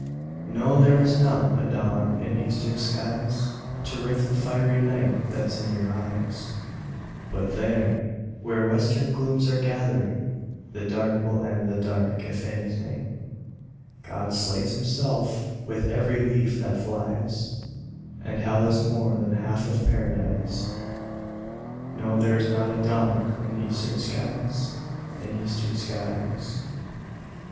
No, there is not a dawn in eastern skies To rift the fiery night that's in your eyes; But there, where western glooms are gathering The dark will end the dark, if anything: God slays Himself with every leaf that flies, And hell is more than half of paradise. No, there is not a dawn in eastern skies In eastern skies.